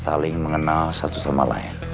saling mengenal satu sama lain